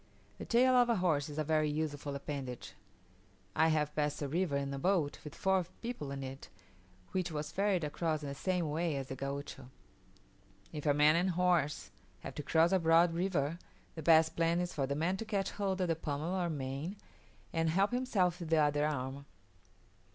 The tail of a horse is a very useful appendage; I have passed a river in a boat with four people in it, which was ferried across in the same way as the Gaucho. If a man and horse have to cross a broad river, the best plan is for the man to catch hold of the pommel or mane, and help himself with the other arm.